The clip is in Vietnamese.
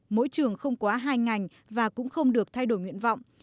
mỗi trường không quá hai ngành và cũng không được thay đổi nguyện vọng